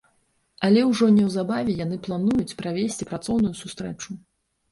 Але ўжо неўзабаве яны плануюць правесці працоўную сустрэчу.